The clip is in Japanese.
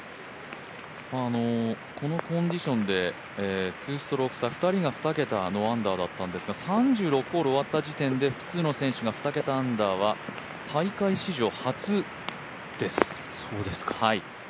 このコンディションで２ストローク差、２人が２桁ノーアンダーなんですが、３６ホール終わった時点で複数の選手が２桁アンダーは大会史上初です。